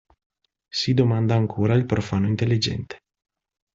Si domanda ancora il profano intelligente.